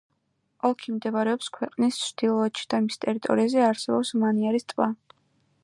ოლქი მდებარეობს ქვეყნის ჩრდილოეთში და მის ტერიტორიაზე არსებობს მანიარის ტბა.